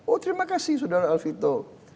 oh terima kasih saudara alvito